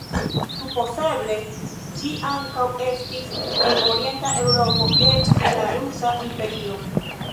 Supozeble ĝi ankaŭ estis en orienta Eŭropo, eĉ en la Rusa Imperio.